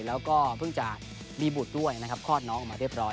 แล้วก็เพิ่งจะมีบุตรด้วยนะครับคลอดน้องออกมาเรียบร้อย